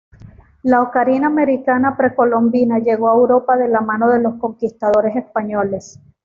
La ocarina americana precolombina llegó a Europa de la mano de los conquistadores españoles.